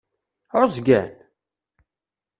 Ɛuẓgen?